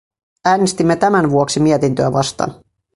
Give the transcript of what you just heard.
Äänestimme tämän vuoksi mietintöä vastaan.